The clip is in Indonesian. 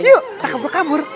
yuk tak kembur kembur